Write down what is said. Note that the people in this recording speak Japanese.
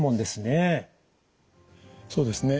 そうですね。